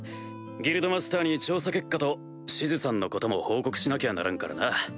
ギルドマスターに調査結果とシズさんのことも報告しなきゃならんからな。